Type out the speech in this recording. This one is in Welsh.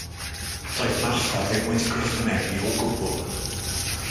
Doedd Martha ddim wedi gwrthwynebu o gwbl.